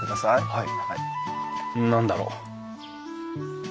はい。